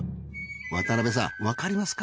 渡辺さんわかりますか？